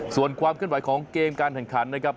ส่วนความขึ้นไหวของเกมการทันขันนะครับ